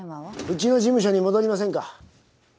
うちの事務所に戻りませんか？